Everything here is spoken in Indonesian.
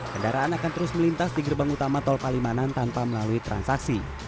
kendaraan akan terus melintas di gerbang utama tol palimanan tanpa melalui transaksi